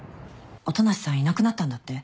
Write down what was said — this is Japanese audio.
音無さんいなくなったんだって？